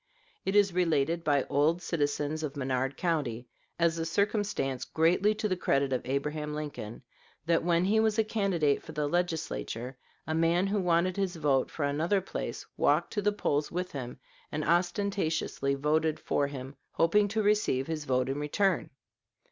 It is related by old citizens of Menard County, as a circumstance greatly to the credit of Abraham Lincoln, that when he was a candidate for the Legislature a man who wanted his vote for another place walked to the polls with him and ostentatiously voted for him, hoping to receive his vote in return.